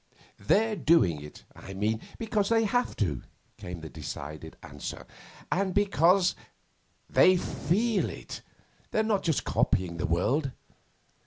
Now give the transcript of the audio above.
'They're doing it, I mean, because they have to,' came the decided answer, 'and because they feel it. They're not just copying the world.